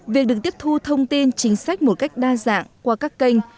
việc được tiếp thu thông tin chính sách một cách đa dạng qua các kênh